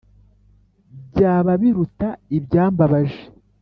Byaba biruta ibyambabaje